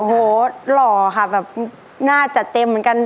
โอ้โหหล่อค่ะแบบหน้าจัดเต็มเหมือนกัน